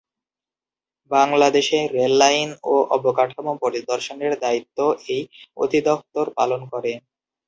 বাংলাদেশে রেললাইন ও অবকাঠামো পরিদর্শনের দায়িত্ব এই অধিদফতর পালন করে।